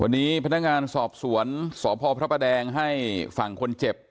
วันนี้พนักงานสอบสวนสพพพให้ฝั่งคนเจ็บ